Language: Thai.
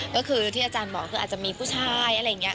ก็คือที่อาจารย์บอกคืออาจจะมีผู้ชายอะไรอย่างนี้